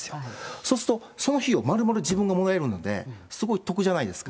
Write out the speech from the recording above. そうすると、その費用、丸々自分がもらえるので、すごい得じゃないですか。